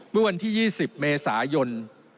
เมื่อวันที่๒๐เมษายน